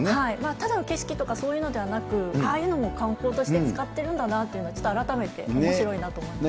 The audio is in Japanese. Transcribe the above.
ただの景色とか、そういうのではなく、ああいうのも観光として使ってるんだなと、ちょっと改めておもしろいなと思いました。